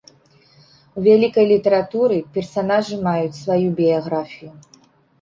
У вялікай літаратуры персанажы маюць сваю біяграфію.